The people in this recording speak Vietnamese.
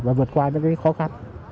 và vượt qua cái khó khăn